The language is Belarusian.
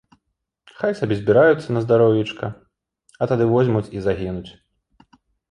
Хай сабе збіраюцца на здароўечка, а тады возьмуць і загінуць.